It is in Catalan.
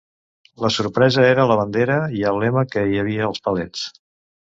La sorpresa era la bandera i el lema que hi havia als palets.